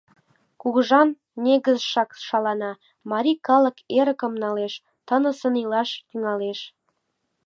Кугыжан негызшак шалана, марий калык эрыкым налеш, тынысын илаш тӱҥалеш!